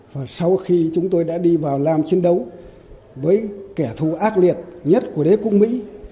và sau khi chúng tôi đã đi vào làm chiến đấu với kẻ thù ác liệt nhất của đế quốc mỹ